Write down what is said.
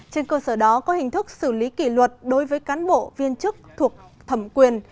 trên cơ sở đó có hình thức xử lý kỷ luật đối với cán bộ viên chức thuộc thẩm quyền